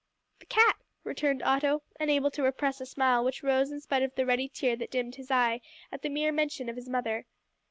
"The cat," returned Otto, unable to repress a smile, which rose in spite of the ready tear that dimmed his eye at the mere mention of his mother.